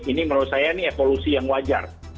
ini menurut saya ini evolusi yang wajar